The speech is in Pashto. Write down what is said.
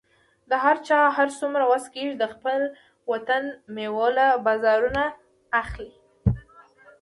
د هر چا هر څومره وسه کیږي، د خپل وطن میوه له بازارونو واخلئ